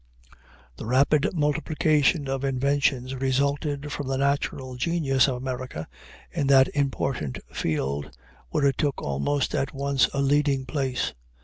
The rapid multiplication of inventions resulted from the natural genius of America in that important field, where it took almost at once a leading place.